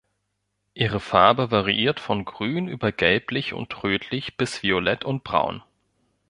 Ihre Farbe variiert von grün über gelblich und rötlich bis violett und braun.